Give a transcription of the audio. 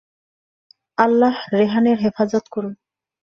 আল্লাহ্ রেহান এর হেফাজত করুন!